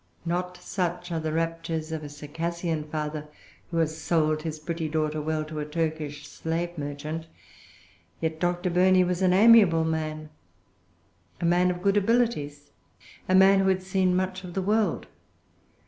Not such are the raptures of a Circassian father who has sold his pretty daughter well to a Turkish slave merchant. Yet Dr. Burney was an amiable man, a man of good abilities, a man who had seen much of the world.